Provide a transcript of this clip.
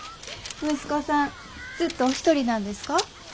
息子さんずっとお独りなんですか？